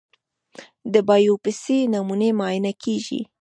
د بایوپسي نمونې معاینه کېږي.